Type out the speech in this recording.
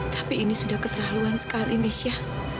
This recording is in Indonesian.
tapi ini sudah keterlaluan sekali michelle